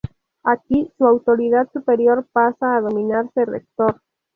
Aquí, su autoridad superior pasa a denominarse Rector.